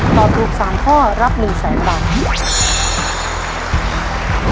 ตอบถูก๓ข้อรับ๑แสนบาท